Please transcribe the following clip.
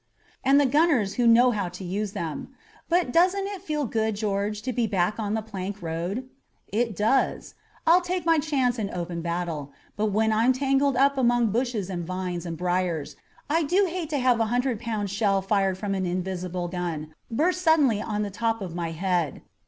"And the gunners who know how to use them. But doesn't it feel good, George, to be back on the plank road?" "It does. I'll take my chance in open battle, but when I'm tangled up among bushes and vines and briars, I do hate to have a hundred pound shell fired from an invisible gun burst suddenly on the top of my head.